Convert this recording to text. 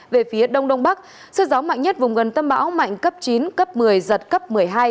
về phía đông đông bắc sức gió mạnh nhất vùng gần tâm bão mạnh cấp chín cấp một mươi giật cấp một mươi hai